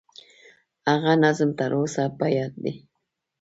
هغه نظم تر اوسه په یاد دي.